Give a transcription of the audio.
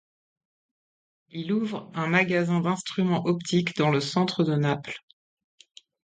Il ouvre un magasin d'instruments optiques dans le centre de Naples.